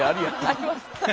あります。